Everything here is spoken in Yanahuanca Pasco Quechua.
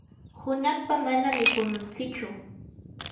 hunaqpa manami pununtsichu.